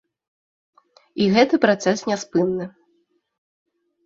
І гэты працэс няспынны.